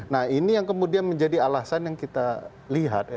nah ini yang kemudian menjadi alasan yang kita lihat ya